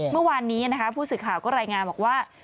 เมื่อวานนี้พูดสิทธิ์ข่าวก็รายงานบอกว่า